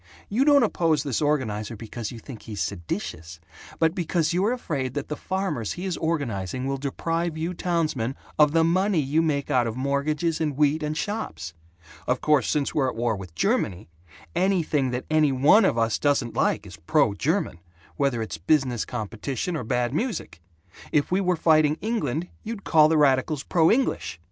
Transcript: You don't oppose this organizer because you think he's seditious but because you're afraid that the farmers he is organizing will deprive you townsmen of the money you make out of mortgages and wheat and shops. Of course, since we're at war with Germany, anything that any one of us doesn't like is 'pro German,' whether it's business competition or bad music. If we were fighting England, you'd call the radicals 'pro English.'